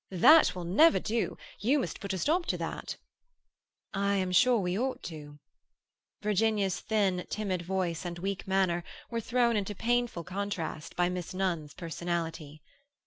"That will never do. You must put a stop to that." "I am sure we ought to." Virginia's thin, timid voice and weak manner were thrown into painful contrast by Miss Nunn's personality.